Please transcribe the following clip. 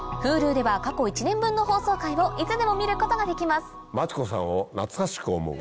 Ｈｕｌｕでは過去１年分の放送回をいつでも見ることができます真知子さんを懐かしく思う。